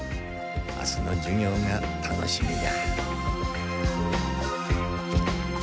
明日の授業が楽しみだ。